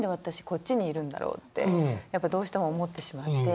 こっちにいるんだろうってやっぱどうしても思ってしまって。